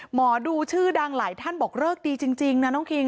หมอดูชื่อดังหลายท่านบอกเลิกดีจริงนะน้องคิง